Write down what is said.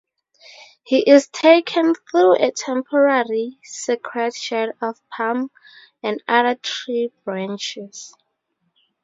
He is taken through a temporary sacred shed of palm and other tree branches.